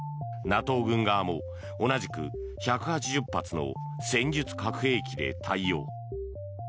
ＮＡＴＯ軍側も同じく１８０発の戦術核兵器で対応。